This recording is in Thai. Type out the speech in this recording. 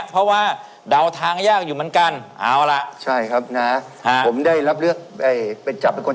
เพราะว่าเดาทางยากอยู่เหมือนกัน